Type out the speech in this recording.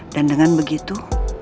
dan dengan begitu